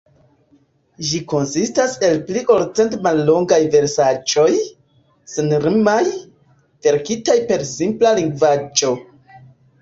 Ĝi konsistas el pli ol cent mallongaj versaĵoj, senrimaj, verkitaj per simpla lingvaĵo.